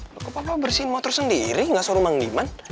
kok papa bersihin motor sendiri gak soru mengiman